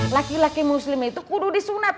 laki laki muslim itu kudu disunat